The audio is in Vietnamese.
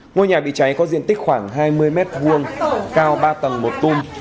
ngôi nhà bị cháy có diện tích khoảng hai mươi m hai cao ba tầng một tung